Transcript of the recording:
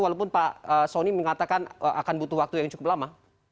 walaupun pak sony mengatakan akan butuh waktu yang cukup lama